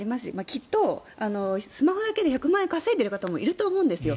きっとスマホだけで１００万円稼いでいる人もいると思うんですよ。